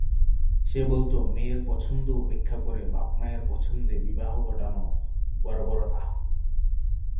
সে বলত, মেয়ের পছন্দ উপেক্ষা করে বাপমায়ের পছন্দে বিবাহ ঘটানো বর্বরতা।